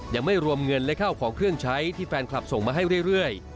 ยังไม่รวมเงินและข้าวของเครื่องใช้ที่แฟนคลับส่งมาให้เรื่อย